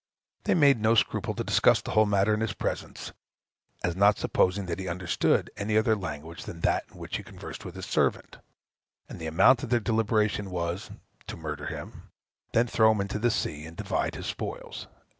They made no scruple to discuss the whole matter in his presence, as not supposing that he understood any other language than that in which he conversed with his servant; and the amount of their deliberation was to murder him, then to throw him into the sea, and to divide his spoils."